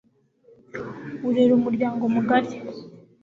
urera umuryango mugari